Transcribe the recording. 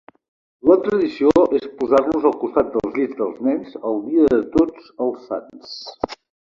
La tradició és posar-los al costat dels llits dels nens el dia de tots els sants.